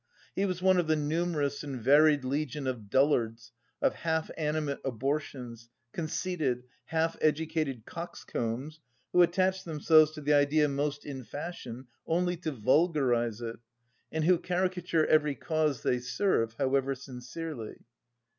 He was one of the numerous and varied legion of dullards, of half animate abortions, conceited, half educated coxcombs, who attach themselves to the idea most in fashion only to vulgarise it and who caricature every cause they serve, however sincerely.